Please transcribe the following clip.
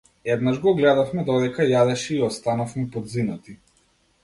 Еднаш го гледавме додека јадеше и останавме подзинати.